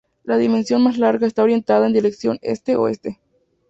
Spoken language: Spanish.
La dimensión más larga está orientada en dirección este-oeste.